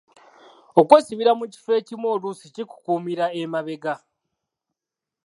Okwesibira mu kifo ekimu oluusi kikukuumira emabega.